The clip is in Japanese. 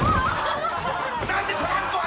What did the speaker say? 何でトランクを。